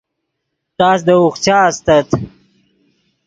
تس دے اوخچا استت